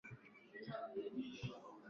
na vijito husababisha maeneo ya mikondo ya wima